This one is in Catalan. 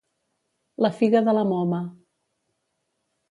La figa de la moma.